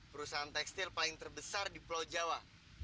perusahaan tekstil paling terbesar di pulau jawa